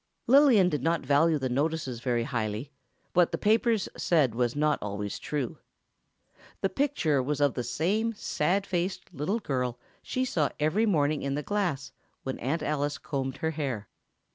Lillian did not value the notices very highly; what the paper said was not always true. The picture was of the same sad faced little girl she saw every morning in the glass when Aunt Alice combed her hair.